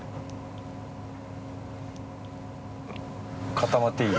固まっていい？